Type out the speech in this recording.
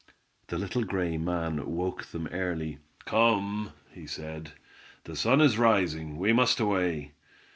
The little gray man woke them early. "Come," he said. "The sun is rising, we must away."